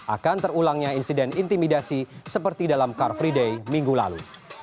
akan terulangnya insiden intimidasi seperti dalam car free day minggu lalu